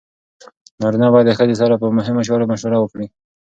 نارینه باید د ښځې سره په مهمو چارو مشوره وکړي.